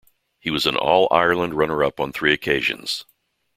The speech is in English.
He was an All-Ireland runner-up on three occasions.